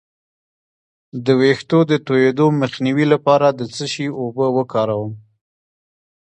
د ویښتو د تویدو مخنیوي لپاره د څه شي اوبه وکاروم؟